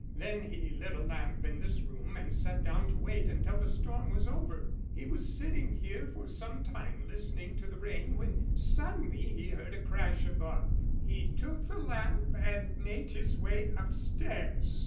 Then he lit a lamp in this room and sat down to wait until the storm was over. He was sitting here for some time listening to the rain when suddenly he heard a crash above. He took the lamp and made his way upstairs.